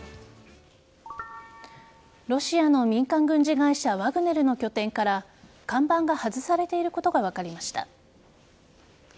ロシアの民間軍事会社ワグネルの拠点から看板が外されていることが分かりました。